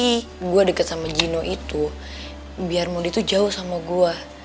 kira kira berarti gue deket sama gino itu biar mondi tuh jauh sama gue